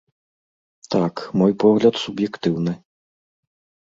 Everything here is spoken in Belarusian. Так, мой погляд суб'ектыўны.